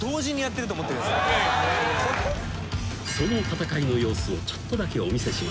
［その戦いの様子をちょっとだけお見せします］